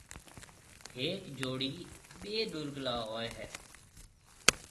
هڪ جوڙِي ٻي ڏورگلا هوئي هيَ